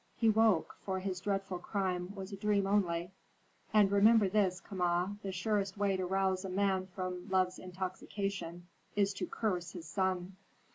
He woke, for his dreadful crime was a dream only. And remember this, Kama, the surest way to rouse a man from love's intoxication is to curse his son."